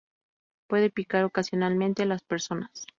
Puede picar ocasionalmente a las personas.